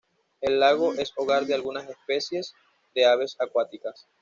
El lago es hogar de algunas especies de aves acuáticas.